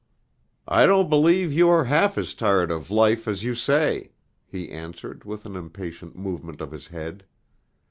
"I don't believe you are half as tired of life as you say," he answered with an impatient movement of his head.